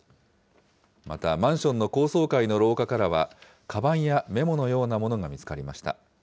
またマンションの高層階の廊下からは、かばんやメモのようなものが見つかりました。